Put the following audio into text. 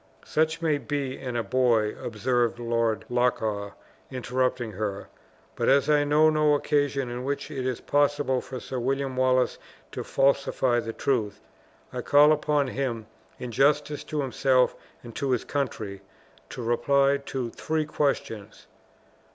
"Such may be in a boy," observed Lord Loch awe, interrupting her "but as I know no occasion in which it is possible for Sir William Wallace to falsify the truth, I call upon him, in justice to himself and to his country, to reply to three questions!"